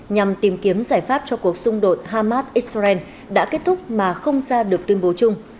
nhằm tìm kiếm giải pháp cho cuộc xung đột hamas israel đã kết thúc mà không ra được tuyên bố chung